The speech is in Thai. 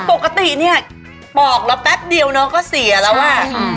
ปกติเนี่ยปอกเราแป๊บเดียวน้องก็เสียแล้วอ่ะ